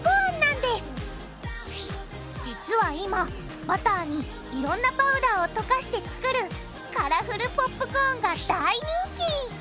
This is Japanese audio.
実は今バターにいろんなパウダーをとかして作るカラフルポップコーンが大人気！